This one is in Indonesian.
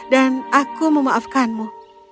dan aku memaafkanmu